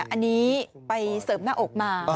อันนี้ไปเสริมหน้าอกมา